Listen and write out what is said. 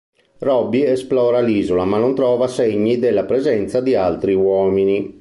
Robby esplora l'isola ma non trova segni della presenza di altri uomini.